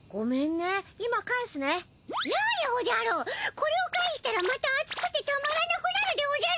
これを返したらまた暑くてたまらなくなるでおじゃる！